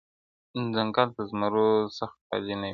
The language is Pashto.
ځنګل د زمرو څخه خالي نه وي -